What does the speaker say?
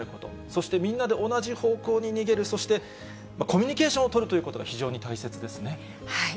そしてみんなで同じ方向に逃げる、そしてコミュニケーションを取るということが非常に大切ですね。